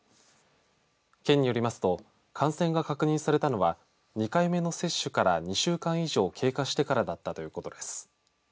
県によりますと感染が確認されたのは２回目の接種から２週間以上経過してからだったということです。